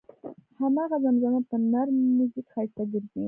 هماغه زمزمه په نر میوزیک ښایسته ګرځي.